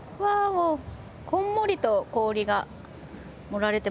もうこんもりと氷が盛られてますね。